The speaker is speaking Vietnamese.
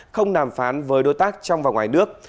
không đàm phán với đối tác trong và ngoài nước